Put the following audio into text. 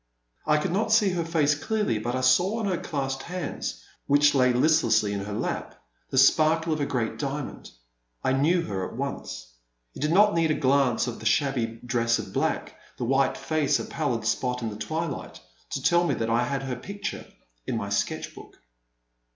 I could not see her face clearly, but I saw on her clasped hands, which lay list lessly in her lap, the sparkle of a great diamond. I knew her at once. It did not need a glance at the shabby dress of black, the white face, a pallid spot in the twilight, to tell me that I had her picture in my sketch book.